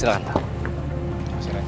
kita duduk berdua di belakang